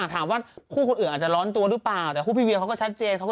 ถามว่าคู่คนอื่นอาจจะร้อนตัวหรือเปล่าแต่คู่พี่เวียเขาก็ชัดเจนเขาก็